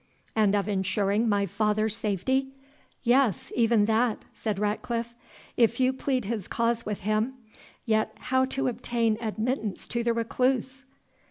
"And of insuring my father's safety?" "Yes! even that," said Ratcliffe, "if you plead his cause with him yet how to obtain admittance to the Recluse!"